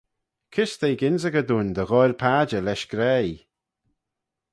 Kys t'eh gynsaghey dooin dy ghoaill padjer lesh graih?